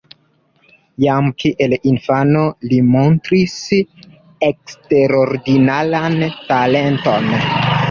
Jam kiel infano li montris eksterordinaran talenton.